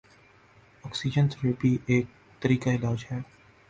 oxygen therapy ایک طریقہ علاج ہے